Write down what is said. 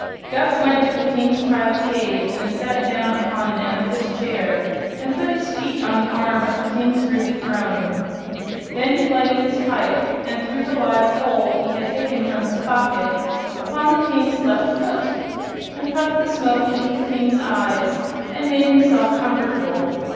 Guph went to the King's private cave and sat down upon an amethyst chair and put his feet on the arm of the King's ruby throne. Then he lighted his pipe and threw the live coal he had taken from his pocket upon the King's left foot and puffed the smoke into the King's eyes and made himself comfortable.